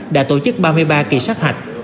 đã tổ chức ba mươi ba kỳ xác hạch